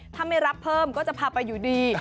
ถ้าไม่รับเพิ่มก็จะพาไปอยู่ดี